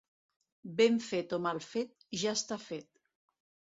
Ben fet o mal fet, ja està fet.